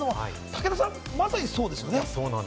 武田さん、まさにそうですよね。